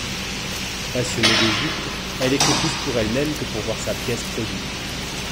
Passionnée d'Égypte, elle écrit plus pour elle-même que pour voir sa pièce produite.